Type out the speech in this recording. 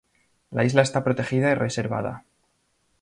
La isla está protegida y reservada.